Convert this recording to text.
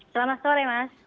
selamat sore mas